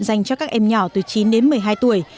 dành cho các em nhỏ từ chín đến một mươi hai tuổi